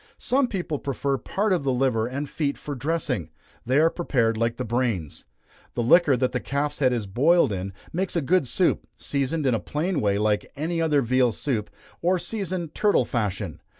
Some people prefer part of the liver and feet for dressing they are prepared like the brains. The liquor that the calf's head is boiled in, makes a good soup, seasoned in a plain way like any other veal soup, or seasoned turtle fashion.